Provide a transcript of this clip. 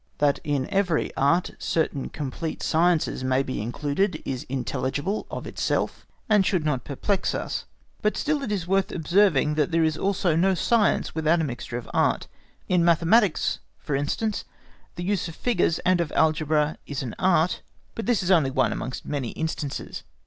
That in every Art certain complete sciences may be included is intelligible of itself, and should not perplex us. But still it is worth observing that there is also no science without a mixture of Art. In mathematics, for instance, the use of figures and of algebra is an Art, but that is only one amongst many instances.